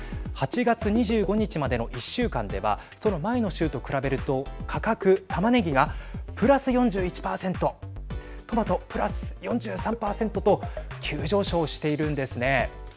８月２５日までの１週間ではその前の週と比べると価格タマネギがプラス４１％トマト、プラス４３％と急上昇しているんですね。